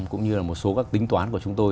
cũng như là một số các tính toán của chúng tôi